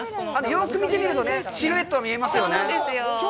よく見てみると、シルエットが見えますよね。